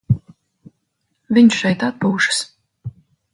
Viņš šeit atpūšas.